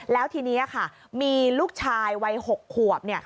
แล้วทีนี้ค่ะมีลูกชายวัย๖ขวบ